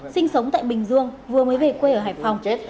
sinh sống tại bình dương vừa mới về quê ở hải phòng chết